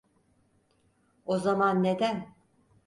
O zaman neden?